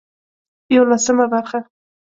يولسمه برخه